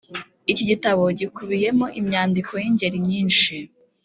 Iki gitabo gikubiyemo imyandiko y’ingeri nyinshi: